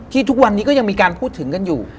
ทุกวันนี้ก็ยังมีการพูดถึงกันอยู่